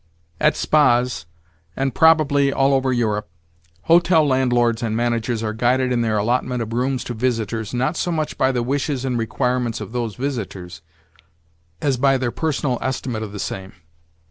X At spas—and, probably, all over Europe—hotel landlords and managers are guided in their allotment of rooms to visitors, not so much by the wishes and requirements of those visitors, as by their personal estimate of the same.